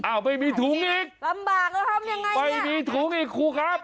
อ้าวไม่มีถุงอีกไม่มีถุงอีกครูครับ